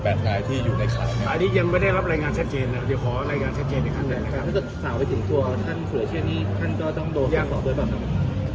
มีแต่ว่าต้องการไปจับบุคคลตามหมายจับนะครับ